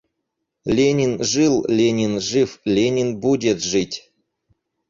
Ленин — жил, Ленин — жив, Ленин — будет жить.